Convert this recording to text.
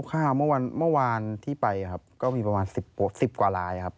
ข้าวเมื่อวานที่ไปครับก็มีประมาณ๑๐กว่าลายครับ